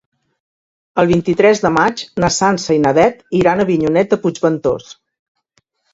El vint-i-tres de maig na Sança i na Beth iran a Avinyonet de Puigventós.